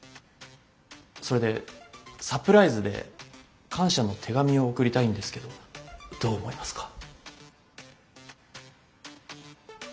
それでサプライズで感謝の手紙を送りたいんですけどどう思いますか？